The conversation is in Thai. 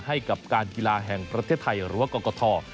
ให้กับการกีฬาแห่งประเทศไทยหรือว่ากรกฐ